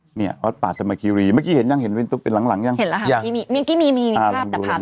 เห็นหลังหลังมีภาพเดียวไปแล้ว